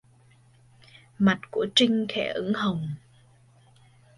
Mặt của Trinh khẽ ửng hồng